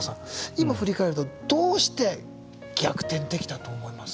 今振り返るとどうして逆転できたと思います？